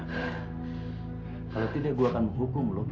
kalau tidak gua akan hukum lu